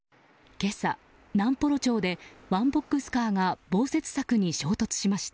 今朝、南幌町でワンボックスカーが防雪柵に衝突しました。